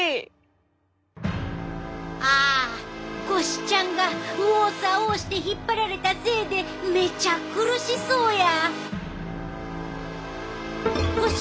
あ腰ちゃんが右往左往して引っ張られたせいでめっちゃ苦しそうや！